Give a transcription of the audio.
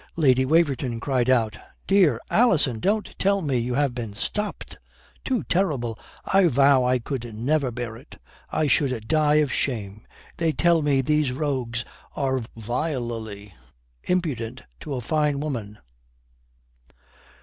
Lady Waverton cried out: "Dear Alison! Don't tell me you have been stopped. Too terrible! I vow I could never bear it. I should die of shame. They tell me these rogues are vilely impudent to a fine woman."